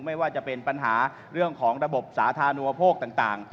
ไม่ว่าจะเป็นปัญหาเรื่องของระบบสาธารณูปโภคต่าง